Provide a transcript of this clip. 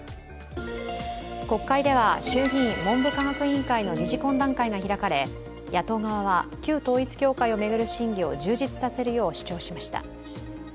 国会では衆議院文部科学委員会の理事懇談会か開かれ野党側は旧統一教会を巡る審議を充実させるよう主張しました。